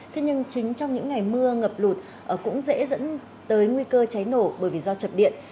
thế nhưng chính trong những ngày mưa ngập lụt cũng dễ dẫn tới nguy cơ cháy nổ bởi vì do chập điện